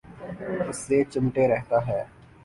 اس سے چمٹے رہتا ہے۔